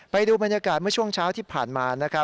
ไปดูบรรยากาศเมื่อช่วงเช้าที่ผ่านมา